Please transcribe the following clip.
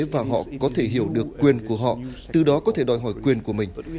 và họ có thể hiểu được quyền của họ từ đó có thể đòi hỏi quyền của mình